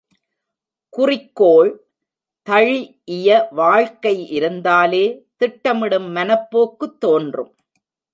குறிக்கோள் தழிஇய வாழ்க்கை இருந்தாலே திட்டமிடும் மனப்போக்கு தோன்றும்.